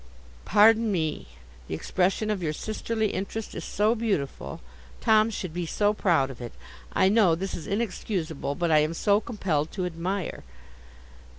'Pardon me. The expression of your sisterly interest is so beautiful—Tom should be so proud of it—I know this is inexcusable, but I am so compelled to admire.